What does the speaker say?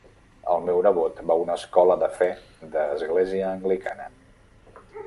El meu nebot va a una escola de fe de església anglicana